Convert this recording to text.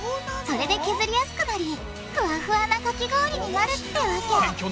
それで削りやすくなりふわふわなかき氷になるってわけおもしろい。